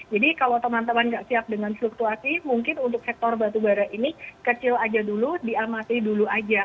jadi kalau teman teman nggak siap dengan fluktuasi mungkin untuk sektor batu bara ini kecil aja dulu diamasi dulu aja